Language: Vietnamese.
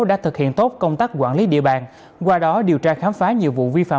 đã thực hiện tốt công tác quản lý địa bàn qua đó điều tra khám phá nhiều vụ vi phạm